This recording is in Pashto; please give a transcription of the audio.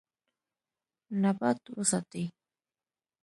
نبات وساتئ.